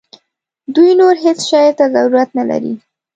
دوی نور هیڅ شي ته ضرورت نه لري.